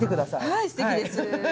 はいすてきです。